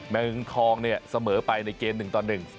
เมืองทองเนี่ยเสมอไปในเกมหนึ่งต่อหนึ่ง